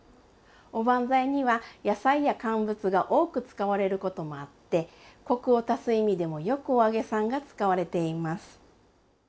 おばんざいには野菜や乾物が多く使われることもあってコクを足す意味でもよくお揚げさんが使われています。